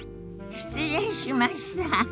失礼しました。